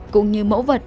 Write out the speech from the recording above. cũng như mẫu vật